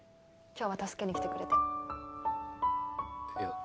今日は助けに来てくれていや